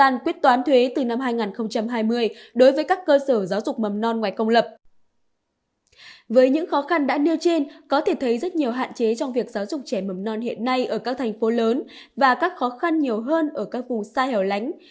với những khó khăn đã nêu trên có thể thấy rất nhiều hạn chế trong việc giáo dục trẻ mầm non hiện nay ở các thành phố lớn và các khó khăn nhiều hơn ở các vùng xa hẻo lánh